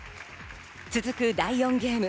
続く第４ゲーム。